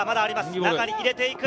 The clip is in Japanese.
中に入れていく！